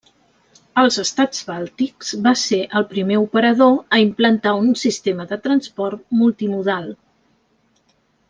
Als estats bàltics va ser el primer operador a implantar un sistema de transport multimodal.